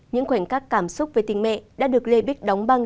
những khoảnh khắc cảm xúc về tình mẹ đã được lê bích đóng băng